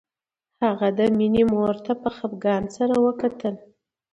هغه د مينې مور ته په خپګان سره وکتل